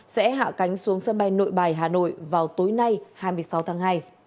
sẽ hạ cánh xuống sân bay nội bài hà nội vào tối nay hai mươi sáu tháng hai